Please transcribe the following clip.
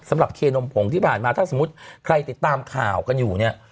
เคนมผงที่ผ่านมาถ้าสมมุติใครติดตามข่าวกันอยู่เนี่ย